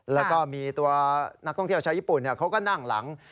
แล้วก็มีตัวนักท่องเที่ยวชาวญี่ปุ่นเขาก็นั่งหลัง